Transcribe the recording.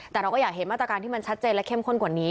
แต่เราก็อยากเห็นมาตรการที่มันชัดเจนและเข้มข้นกว่านี้